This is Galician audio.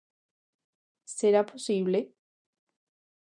Será posible!